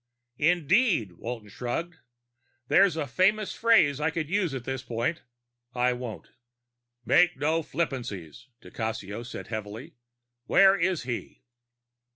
"Indeed?" Walton shrugged. "There's a famous phrase I could use at this point. I won't." "Make no flippancies," di Cassio said heavily. "Where is he?"